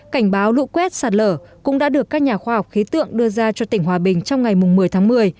cảnh báo lũ quét sạt lở cũng đã được các nhà khoa học khí tượng đưa ra cho tỉnh hòa bình trong ngày một mươi tháng một mươi